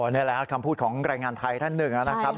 นี่แหละครับคำพูดของแรงงานไทยท่านหนึ่งนะครับ